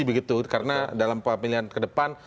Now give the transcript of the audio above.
begitu karena dalam pemilihan ke depan